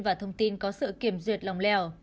và thông tin có sự kiểm duyệt lòng lèo